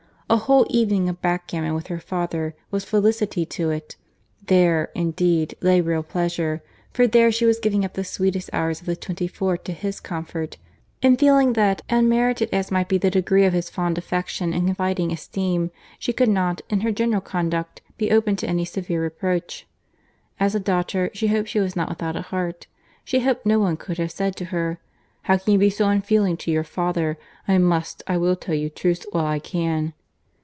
A whole evening of back gammon with her father, was felicity to it. There, indeed, lay real pleasure, for there she was giving up the sweetest hours of the twenty four to his comfort; and feeling that, unmerited as might be the degree of his fond affection and confiding esteem, she could not, in her general conduct, be open to any severe reproach. As a daughter, she hoped she was not without a heart. She hoped no one could have said to her, "How could you be so unfeeling to your father?—I must, I will tell you truths while I can."